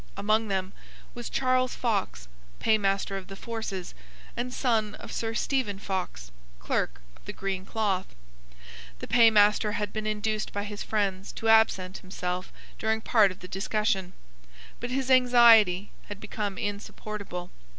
Among them was Charles Fox, Paymaster of the Forces, and son of Sir Stephen Fox, Clerk of the Green Cloth. The Paymaster had been induced by his friends to absent himself during part of the discussion. But his anxiety had become insupportable.